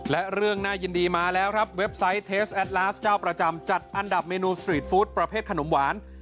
และเรื่องน่ายินดีมาแล้วครับเว็บไซต์เทสแอดลาสเจ้าประจำจัดอันดับเมนูสตรีทฟู้ดประเภทขนมหวาน